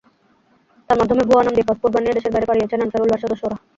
তাঁর মাধ্যমে ভুয়া নাম দিয়ে পাসপোর্ট বানিয়ে দেশের বাইরে পালিয়েছেন আনসারুল্লাহর সদস্যরা।